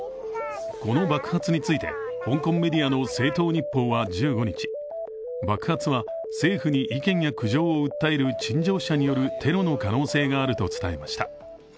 この爆発について香港メディアの「星島日報」は１５日爆発は政府に意見や苦情を訴える陳情者によるテロの可能性があると伝えました。